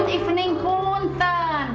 selamat malam punta